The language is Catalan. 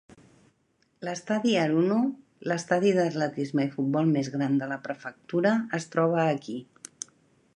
L'estadi Haruno, l'estadi d'atletisme i futbol més gran de la prefectura, es troba aquí.